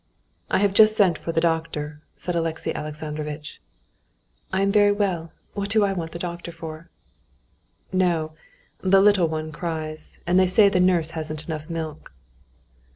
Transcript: "I have just sent for the doctor," said Alexey Alexandrovitch. "I am very well; what do I want the doctor for?" "No, the little one cries, and they say the nurse hasn't enough milk."